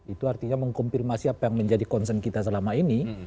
itu artinya mengkompirmasi apa yang menjadi concern kita selama ini